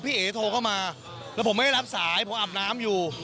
เอ๋โทรเข้ามาแล้วผมไม่ได้รับสายผมอาบน้ำอยู่